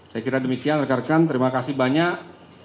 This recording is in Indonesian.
saya kira demikian terima kasih banyak